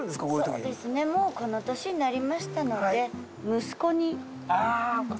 そうですねもうこの年になりましたのであら！